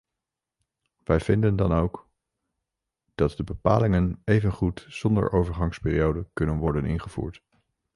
Wij vinden dan ook dat de bepalingen evengoed zonder overgangsperiode kunnen worden ingevoerd.